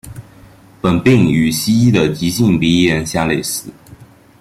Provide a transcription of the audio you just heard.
本病与西医的急性鼻炎相类似。